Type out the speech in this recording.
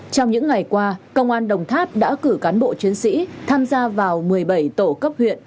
trong những ngày qua công an đồng tháp đã cử cán bộ chiến sĩ tham gia vào một mươi bảy tổ cấp huyện